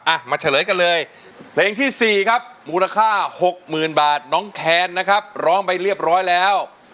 มาเฉลยกันเลยเพลงที่๔ครับมูลค่าหกหมื่นบาทน้องแคนนะครับร้องไปเรียบร้อยแล้ว